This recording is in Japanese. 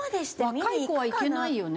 若い子は行けないよね。